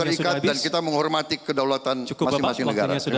dan kita menghormati kedaulatan masing masing negara